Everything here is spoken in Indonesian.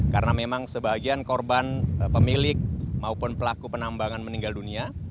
karena memang sebagian korban pemilik maupun pelaku penambangan meninggal dunia